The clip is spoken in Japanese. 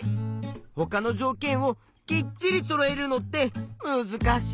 ほかのじょうけんをきっちりそろえるのってむずかしいね。